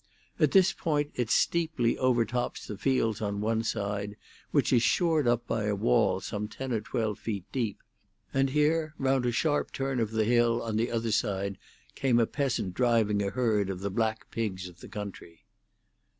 At this point it steeply overtops the fields on one side, which is shored up by a wall some ten or twelve feet deep; and here round a sharp turn of the hill on the other side came a peasant driving a herd of the black pigs of the country.